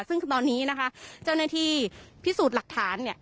ซึ่งตอนนี้นะคะเจ้าหน้าที่พิสูจน์หลักฐานเนี่ย